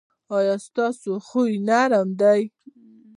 ایا ستاسو خوی نرم دی؟